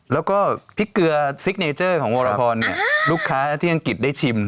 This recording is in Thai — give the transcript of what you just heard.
แล้วก็พริกเกลือซิกเนเจอร์ของวรพรลูกค้าที่อังกฤษได้ชิม